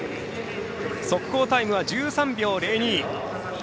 速報タイムは１３秒０２。